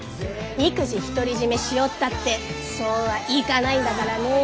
育児独り占めしようったってそうはいかないんだからね。